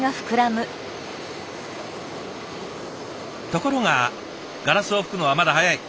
ところが「ガラスを吹くのはまだ早い。